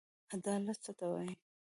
عدالت څه ته وايي.